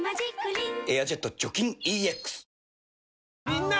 みんな！